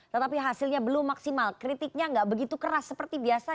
tetapi hasilnya belum maksimal kritiknya nggak begitu keras seperti biasa